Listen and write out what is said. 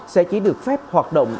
sẽ chỉ được phép hoạt động